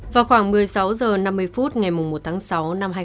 vào khoảng một mươi sáu giờ năm mươi phút ngày mùng mỗi ngày